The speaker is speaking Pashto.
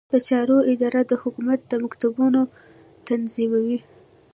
د چارو اداره د حکومت مکتوبونه تنظیموي